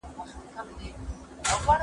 زه اوږده وخت قلم استعمالوموم وم!